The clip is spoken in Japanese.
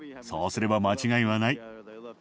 そうすれば間違いはない。